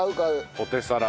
ポテサラ。